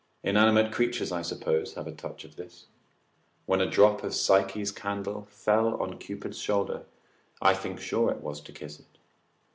Inanimate creatures, I suppose, have a touch of this. When a drop of Psyche's candle fell on Cupid's shoulder, I think sure it was to kiss it.